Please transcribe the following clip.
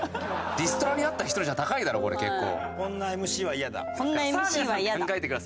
リストラにあった人にしちゃ高いだろこれ結構。